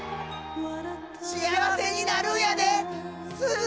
幸せになるんやですず。